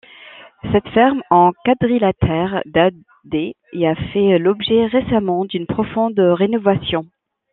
Cette ferme en quadrilatère date des et a fait l'objet récemment d'une profonde rénovation.